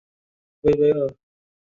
维维尔。